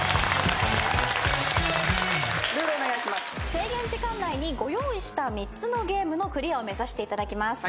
制限時間内にご用意した３つのゲームのクリアを目指していただきます。